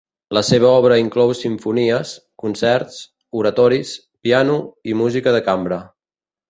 La seva obra inclou simfonies, concerts, oratoris, piano i música de cambra.